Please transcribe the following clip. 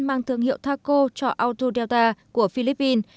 mang thương hiệu taco cho autodelta của philippines